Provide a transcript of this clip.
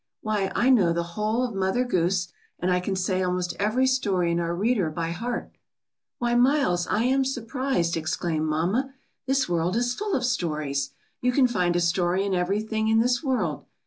Why, I know the whole of Mother Goose, and I can say almost every story in our reader by heart." "Why, Miles, I am surprised," exclaimed mamma. "This world is full of stories. You can find a story in everything in this world.